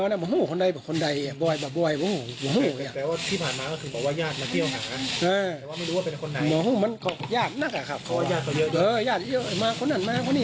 ของผู้ตายไปด้วยค่ะ